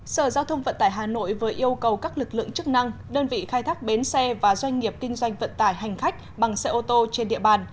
sở giao thông vận tải hà nội vừa yêu cầu các lực lượng chức năng đơn vị khai thác bến xe và doanh nghiệp kinh doanh vận tải hành khách bằng xe ô tô trên địa bàn